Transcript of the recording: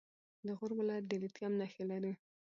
د غور ولایت د لیتیم نښې لري.